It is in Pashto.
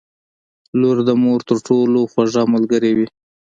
• لور د مور تر ټولو خوږه ملګرې وي.